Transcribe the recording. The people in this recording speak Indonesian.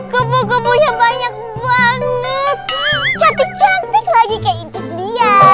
kebukanya banyak banget cantik cantik lagi kayak itu dia